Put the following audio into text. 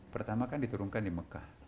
pertama kan diturunkan di mekah